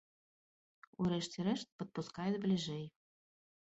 У рэшце рэшт, падпускаюць бліжэй.